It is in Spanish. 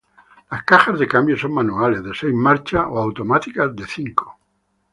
Las cajas de cambios son manuales de seis marchas o automáticas de cinco.